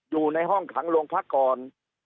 อยู่ในห้องขังโรงพักก่อน